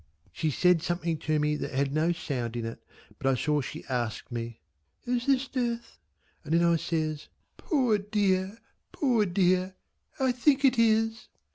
She said something to me that had no sound in it, but I saw she asked me: "Is this death?" And I says: "Poor dear poor dear, I think it is."